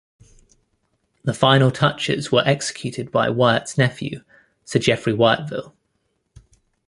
The final touches were executed by Wyatt's nephew Sir Jeffry Wyatville.